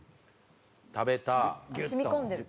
食べた。